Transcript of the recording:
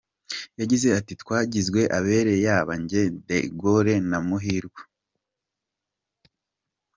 Yagize ati “Twagizwe abere yaba njye, De Gaulle na Muhirwa.